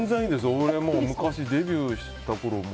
僕、昔デビューしたころ